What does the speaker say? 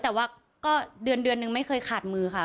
แต่ว่าเดือนหนึ่งไม่เคยขาดมือค่ะ